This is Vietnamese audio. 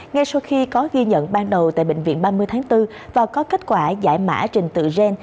ngay sau khi có ghi nhận ban đầu tại bệnh viện ba mươi tháng bốn và có kết quả giải mã trình tự gen